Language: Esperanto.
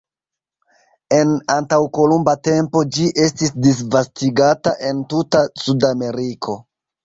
En antaŭkolumba tempo ĝi estis disvastigata en tuta Sudameriko.